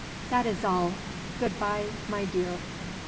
"That is all. Good bye, my dear."